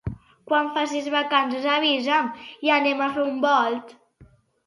Quan facis vacances avisa'm i anem a fer un volt